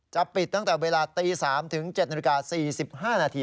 จะปิดตั้งแต่เวลาตี๓ถึง๗นาฬิกา๔๕นาที